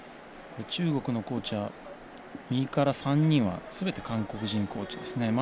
中国のコーチ、右から３人はすべて韓国人コーチですね。